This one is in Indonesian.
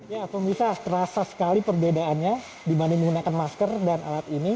ya pemirsa terasa sekali perbedaannya dibanding menggunakan masker dan alat ini